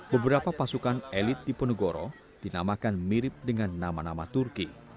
beberapa pasukan elit di ponegoro dinamakan mirip dengan nama nama turki